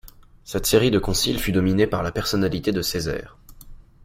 Cette série de conciles fut dominée par la personnalité de Césaire.